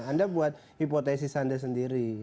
anda buat hipotesis anda sendiri